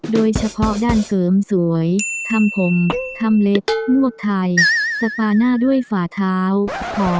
โดยเฉพาะด้านเสริมสวยทำผมทำเล็บลวกไทยสปาหน้าด้วยฝ่าเท้าขอ